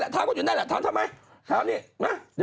ถามก็อยู่นั่นแหละทำไม